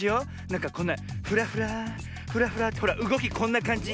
なんかこんなフラフラフラフラってほらうごきこんなかんじ。